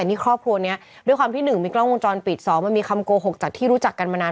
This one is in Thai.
นี่ครอบครัวนี้ด้วยความที่๑มีกล้องวงจรปิด๒มันมีคำโกหกจากที่รู้จักกันมานาน